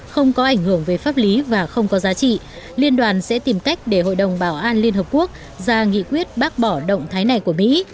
không có ảnh hưởng về pháp lý và không có giá trị liên đoàn sẽ tìm cách để hội đồng bảo an liên hợp quốc ra nghị quyết bác bỏ động thái này của mỹ